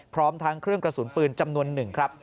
พร้อมทั้งเครื่องกระสุนปืนจำนวน๑